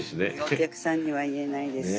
お客さんには言えないですし。